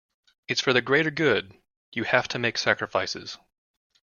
It’s for the greater good, you have to make sacrifices.